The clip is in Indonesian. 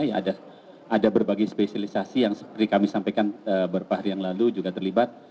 ya ada berbagai spesialisasi yang seperti kami sampaikan beberapa hari yang lalu juga terlibat